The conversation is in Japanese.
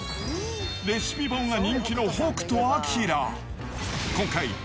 レシピ本が人気の北斗晶。